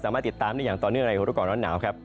สามารถติดตามได้อย่างต่อเนื่องในโฮตุกรณ์ร้อนหนาวครับ